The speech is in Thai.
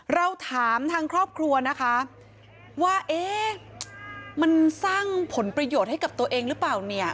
เราถามทางครอบครัวนะคะว่าเอ๊ะมันสร้างผลประโยชน์ให้กับตัวเองหรือเปล่าเนี่ย